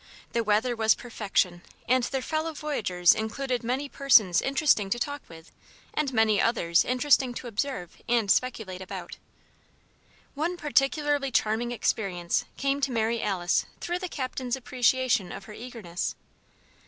The weather was perfection and their fellow voyagers included many persons interesting to talk with and many others interesting to observe and speculate about. One particularly charming experience came to Mary Alice through the Captain's appreciation of her eagerness.